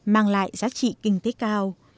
mang lại giá trị kinh tế cao